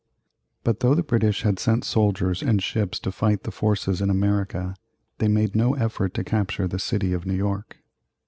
But though the British had sent soldiers and ships to fight the forces in America, they made no effort to capture the city of New York.